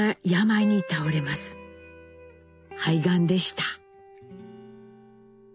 肺がんでした。